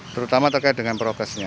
terutama terkait dengan prokesnya